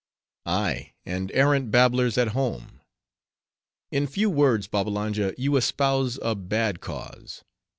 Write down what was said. "Ay, and arrant babblers at home. In few words, Babbalanja, you espouse a bad cause.